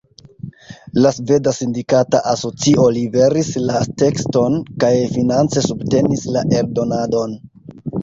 La Sveda Sindikata Asocio liveris la tekston kaj finance subtenis la eldonadon.